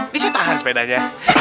disitu tahan sepedanya